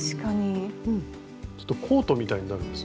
ちょっとコートみたいになるんですね。